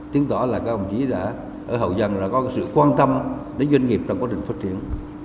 tiến tỏ là các ông chỉ đã ở hậu giang là có sự quan tâm đến doanh nghiệp trong quá trình phát triển